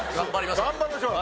頑張りましょう。